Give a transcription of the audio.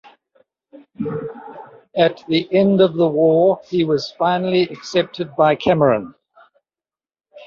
At the end of the war he was finally accepted by Cameron.